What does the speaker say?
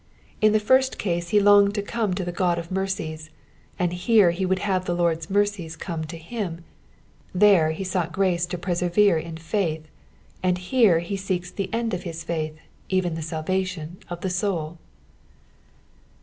In the first case he longed to come to the God of mercies, and here he would have the Lord^s mercies come to him : there he sought grace to persevere in faith, and here he seeks the end of his faith, even the salvation of the soul.